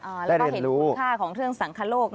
แล้วก็เห็นคุณค่าของเครื่องสังคโลก